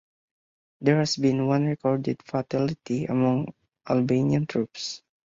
There has been one recorded fatality among Albanian troops.